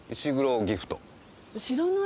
知らない？